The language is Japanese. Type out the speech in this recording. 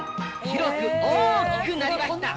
広く大きくなりました。